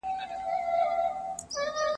زه پرون لیکل وکړل.